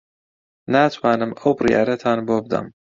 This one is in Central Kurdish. ناتوانم ئەو بڕیارەتان بۆ بدەم.